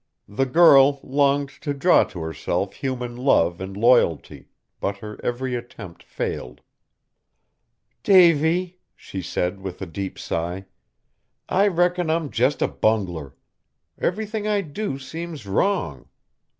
The girl longed to draw to herself human love and loyalty, but her every attempt failed. "Davy," she said with a deep sigh, "I reckon I'm just a bungler. Everything I do seems wrong.